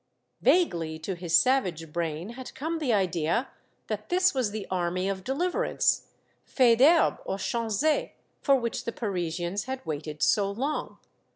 " Vaguely to his savage brain had come the idea that this was the army of deliverance, Faidherbe, or Chanzy, for which the Parisians had waited so long.